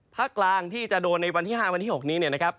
ภาคกลางที่จะโดนในวันที่๕วันที่๖นี้เนี่ยนะครับ